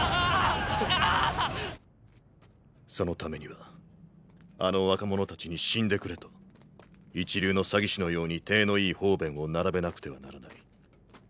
そのためにはあの若者たちに死んでくれと一流の詐欺師のように体のいい方便を並べなくてはならない。